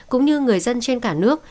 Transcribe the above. cũng như người dân trên cả nước